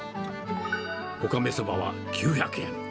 おかめそばは９００円。